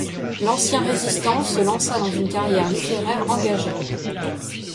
L'ancien résistant se lança dans une carrière littéraire engagée.